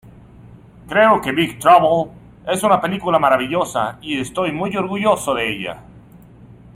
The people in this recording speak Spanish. Creo que Big Trouble es una película maravillosa, y estoy muy orgulloso de ella.